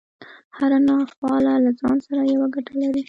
هره ناخواله له ځان سره يوه ګټه لري.